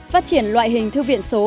phát triển loại hình thư viện số